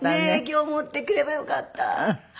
今日持ってくればよかった。